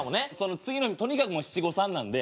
次の日とにかく七五三なんで。